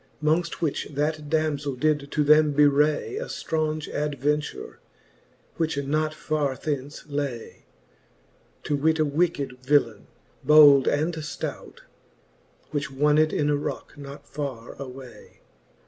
Mongft which that damzeli did to them bewray A ftraunge adventure, which not farre thence lay ; To weete a wicked villaine, bold and flout. Which wonned in a rocke not farre away.